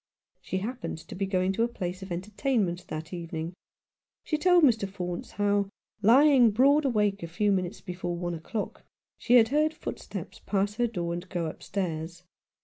She happened to be going to a place of entertainment that evening. She told Mr. Faunce how, lying broad awake a few •minutes before one o'clock, she had heard foot steps pass her door and go upstairs.